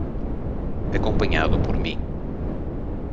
Acompanhado por mim